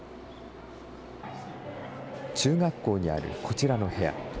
中学校にあるこちらの部屋。